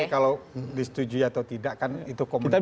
kalau disetujui atau tidak kan itu komunikasi